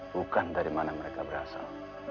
bukan dari mana mereka berasal